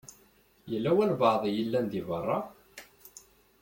Yella walebɛaḍ i yellan di beṛṛa.